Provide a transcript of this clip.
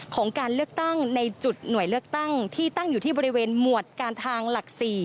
การเลือกตั้งในจุดหน่วยเลือกตั้งที่ตั้งอยู่ที่บริเวณหมวดการทางหลัก๔